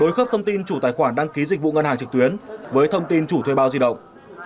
đối khớp thông tin chủ tài khoản đăng ký dịch vụ ngân hàng trực tuyến với thông tin chủ thuê bao di động